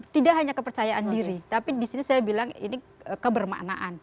tidak hanya kepercayaan diri tapi di sini saya bilang ini kebermaknaan